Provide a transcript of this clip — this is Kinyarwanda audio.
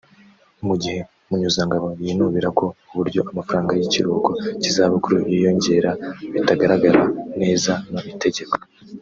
Mugihe Munyuzangabo yinubira ko uburyo amafaranga y’ikiruhuko cy’izabukuru yiyongera bitagaragara neza mu Itegeko